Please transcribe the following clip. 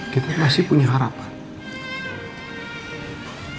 kita masih punya harapan